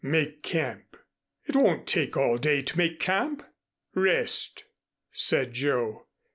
"Make camp." "It won't take all day to make camp." "Rest," said Joe.